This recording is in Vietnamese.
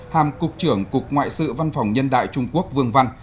hàm cục trưởng cục ngoại sự văn phòng nhân đại trung quốc vương văn